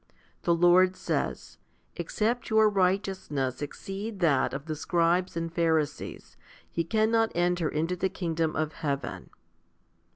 The Lord says, "Except your righteousness exceed that of the scribes and Pharisees, ye cannot enter into the kingdom of heaven.